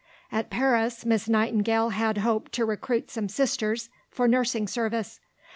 At Paris, Miss Nightingale had hoped to recruit some Sisters for nursing service.